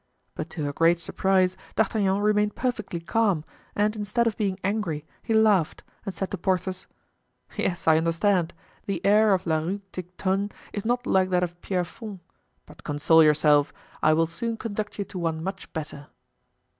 But to her great surprise D'Artagnan remained perfectly calm, and instead of being angry he laughed, and said to Porthos: "Yes, I understand, the air of La Rue Tiquetonne is not like that of Pierrefonds; but console yourself, I will soon conduct you to one much better."